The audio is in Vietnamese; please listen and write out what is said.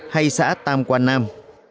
hay xã tàm quang nam